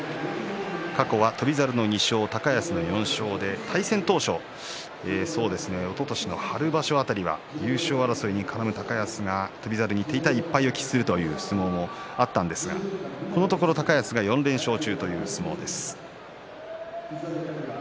過去は翔猿の２勝、高安の４勝で対戦当初、おととしの春場所では優勝争いに絡む高安が翔猿に手痛い１敗を喫するという相撲もあったんですがこのところ高安が４連勝中という相撲です。